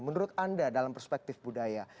menurut anda dalam perspektif budaya